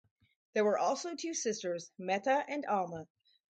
There were also two sisters, Meta and Alma.